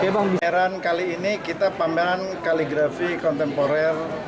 pameran kali ini kita pameran kaligrafi kontemporer